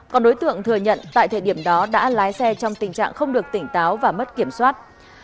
còn đối tượng thừa nhận tại thời điểm đó đã lái xe trong tình trạng không được tỉnh táo và mất kiểm soát